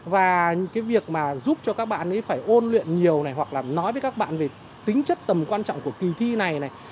và cái việc mà giúp cho các bạn ấy phải ôn luyện nhiều này hoặc là nói với các bạn về tính chất tầm quan trọng của kỳ thi này này